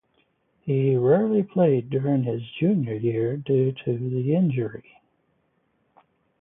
He rarely played during his junior year due to the injury.